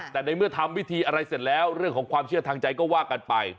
แต่ในเมื่อทำพิธีอะไรเสร็จแล้วเรื่องของความเชื่อทางใจก็ว่ากันไป